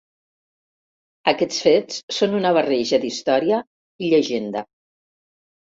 Aquests fets són una barreja d'història i llegenda.